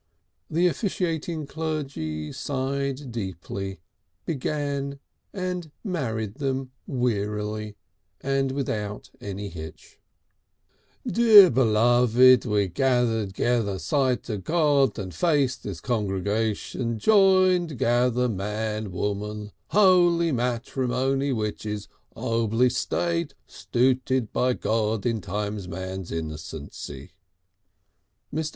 The officiating clergy sighed deeply, began, and married them wearily and without any hitch. "_D'b'loved, we gath'd 'gether sight o' Gard 'n face this con'gation join 'gather Man, Worn' Holy Mat'my which is on'bl state stooted by Gard in times man's innocency_...." Mr.